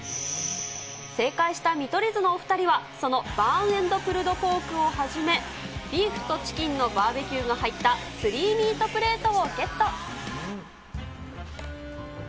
正解した見取り図のお２人は、そのバーンエンドプルドポークをはじめ、ビーフとチキンのバーベキューが入った３ミートプレートをゲット。